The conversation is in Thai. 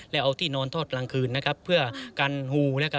และเอาที่นอนทอดลางคืนนะครับเพื่อการฮู